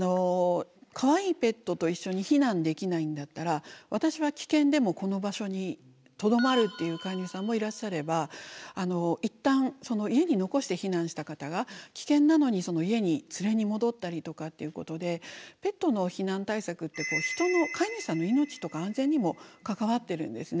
かわいいペットと一緒に避難できないんだったら私は危険でもこの場所にとどまるっていう飼い主さんもいらっしゃればいったん家に残して避難した方が危険なのに家に連れに戻ったりとかっていうことでペットの避難対策って人の飼い主さんの命とか安全にもかかわってるんですね。